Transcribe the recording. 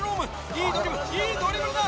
いいドリブルいいドリブルだ。